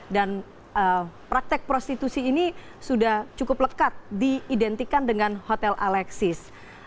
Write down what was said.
dan praktek prostitusi ini sudah cukup lekat diidentikan dengan hotel alexis